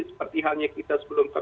seperti halnya kita sebelum ke